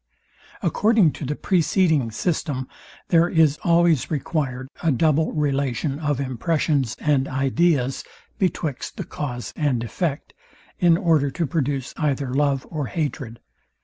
According to the preceding system there is always required a double relation of impressions and ideas betwixt the cause and effect, in order to produce either love or hatred.